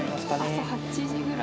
朝８時ぐらい。